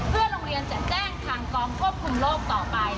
เพื่อโรงเรียนจะแจ้งทางกองควบคุมโรคต่อไป